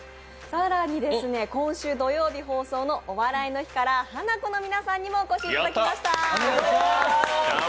更に今週土曜日放送の「お笑いの日」からハナコの皆さんにもお越しいただきました。